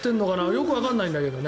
よくわからないんだけどね。